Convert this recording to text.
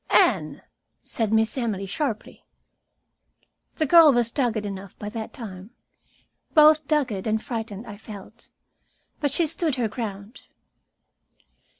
"Anne!" said Miss Emily sharply. The girl was dogged enough by that time. Both dogged and frightened, I felt. But she stood her ground.